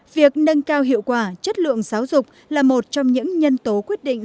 việc nâng cao hiệu quả chất lượng giáo dục là một trong những nhân tố quyết định